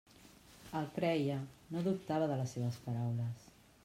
El creia, no dubtava de les seues paraules.